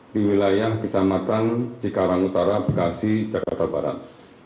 di wilayah kecamatan cikarang utara bekasi jakarta barat